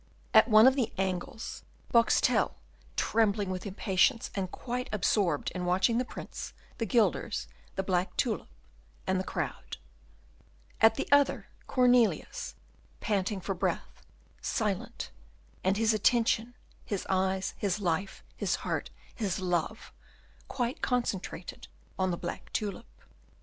At one of the angles, Boxtel, trembling with impatience, and quite absorbed in watching the Prince, the guilders, the black tulip, and the crowd. At the other, Cornelius, panting for breath, silent, and his attention, his eyes, his life, his heart, his love, quite concentrated on the black tulip.